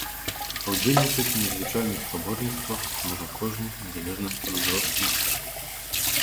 Паўдзельнічаць у незвычайных спаборніцтвах зможа кожны, незалежна ад узросту і полу.